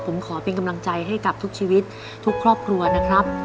ผมขอเป็นกำลังใจให้กับทุกชีวิตทุกครอบครัวนะครับ